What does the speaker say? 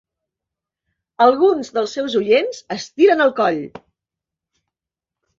Alguns dels seus oients estiren el coll.